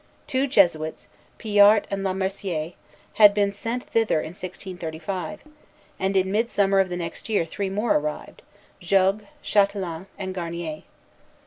Two Jesuits, Pijart and Le Mercier, had been sent thither in 1635; and in midsummer of the next year three more arrived, Jogues, Chatelain, and Garnier.